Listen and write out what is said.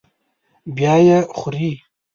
بیا یې خوري.